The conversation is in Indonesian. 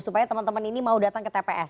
supaya teman teman ini mau datang ke tps